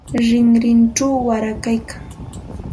Rinrinchaw warkaraykan.